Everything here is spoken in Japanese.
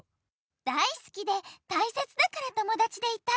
大好きでたいせつだから友だちでいたい。